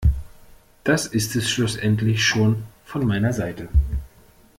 Das ist es schlussendlich schon von meiner Seite.